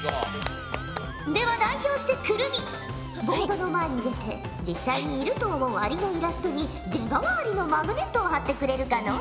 では代表して来泉ボードの前に出て実際にいると思うアリのイラストに出川アリのマグネットを貼ってくれるかのう。